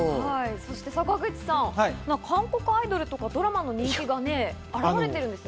そして坂口さん、韓国アイドルとかドラマも人気がね表れているんですね。